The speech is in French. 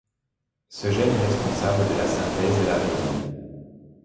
Ce gène est responsable de la synthèse de la reeline.